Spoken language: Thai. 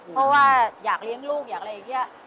เพราะว่าอยากเลี้ยงลูกอยากอะไรอย่างนี้